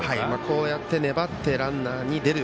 こうやって粘ってランナーに出る。